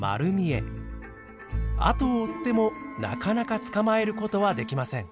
後を追ってもなかなか捕まえる事はできません。